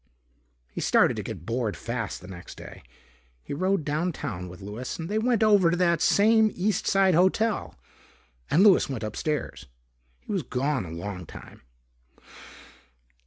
He started to get bored fast the next day. He rode downtown with Louis and they went over to that same East side hotel and Louis went upstairs. He was gone a long time.